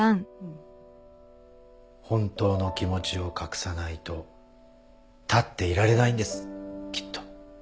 本当の気持ちを隠さないと立っていられないんですきっと。